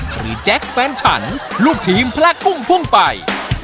พรีแจ๊กแฟนฉันลูกทีมพลากุ้งพ่วงไป